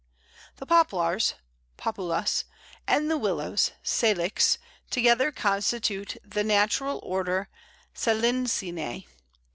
] The Poplars (Populus) and the Willows (Salix) together constitute the Natural Order Salicineæ.